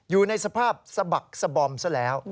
อยู่ในสภาพสะบักสบอมซะแล้ว